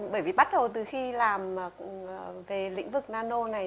bởi vì bắt đầu từ khi làm về lĩnh vực nano này